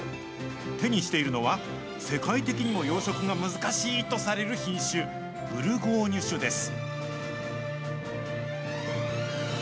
手にしているのは、世界的にも養殖が難しいとされる品種、ブルゴーニュ種です。